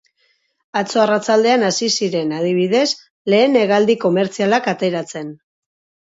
Atzo arratsaldean hasi ziren, adibidez, lehen hegaldi komertzialak ateratzen.